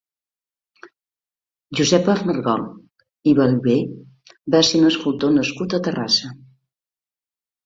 Josep Armengol i Ballver va ser un escultor nascut a Terrassa.